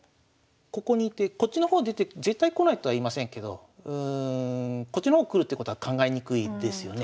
ここに居てこっちの方出て絶対来ないとは言いませんけどこっちの方来るってことは考えにくいですよね。